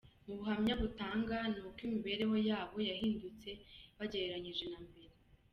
Mu buhamya batanga ni uko imibereho yabo yahindutse bagereraninyije na mbere ”.